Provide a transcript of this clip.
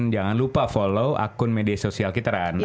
jangan lupa follow akun media sosial kita kan